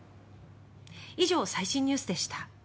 以上、最新ニュースでした。